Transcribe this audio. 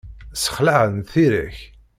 Ssexlaɛent tira-k.